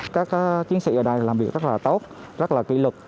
các chiến sĩ ở đây làm việc rất là tốt rất là kỹ lực